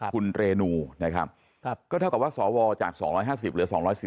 คุณเรนูนะครับก็เท่ากับว่าสวจาก๒๕๐เหลือ๒๔๐